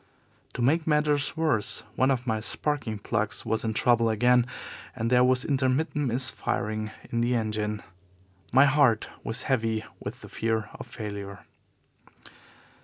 To make matters worse, one of my sparking plugs was in trouble again and there was intermittent misfiring in the engine. My heart was heavy with the fear of failure.